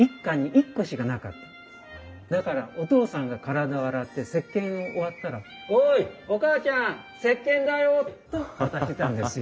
だからおとうさんが体を洗ってせっけんを終わったら「おい！おかあちゃんせっけんだよ！」と渡してたんですよ。